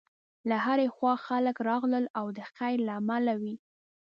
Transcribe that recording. له هرې خوا خلک راغلل او د خیر له امله وې.